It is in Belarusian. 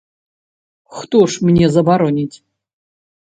Хто ж мне забароніць?